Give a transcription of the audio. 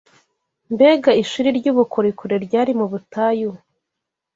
Mbega ishuri ry’ubukorikori ryari mu butayu